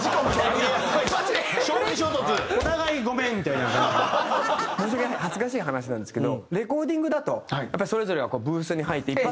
申し訳ない恥ずかしい話なんですけどレコーディングだとやっぱりそれぞれがブースに入って。